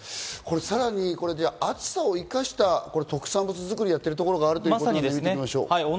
さらに暑さを生かした特産物作りをやってるところがあるんですね、見てみましょう。